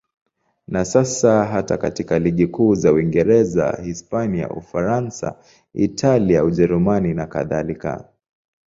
Na sasa hata katika ligi kuu za Uingereza, Hispania, Ufaransa, Italia, Ujerumani nakadhalika.